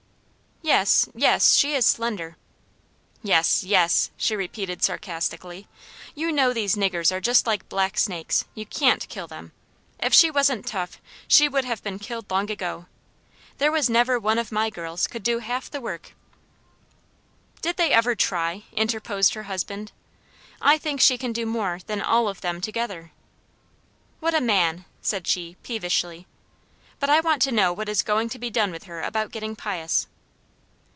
"Yes, yes; she is slender." "Yes, YES!" she repeated sarcastically, "you know these niggers are just like black snakes; you CAN'T kill them. If she wasn't tough she would have been killed long ago. There was never one of my girls could do half the work." "Did they ever try?" interposed her husband. "I think she can do more than all of them together." "What a man!" said she, peevishly. "But I want to know what is going to be done with her about getting pious?"